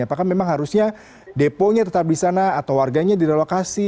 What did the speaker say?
apakah memang harusnya deponya tetap di sana atau warganya direlokasi